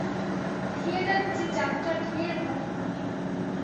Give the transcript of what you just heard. থিয়েটারের চেয়ে যাত্রা ঢের ভালো মতি।